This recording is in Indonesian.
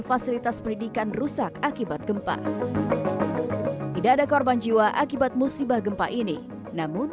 fasilitas pendidikan rusak akibat gempa tidak ada korban jiwa akibat musibah gempa ini namun